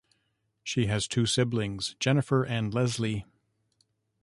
She has two siblings, Jennifer and Leslie.